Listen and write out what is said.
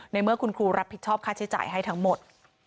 เมื่อคุณครูรับผิดชอบค่าใช้จ่ายให้ทั้งหมด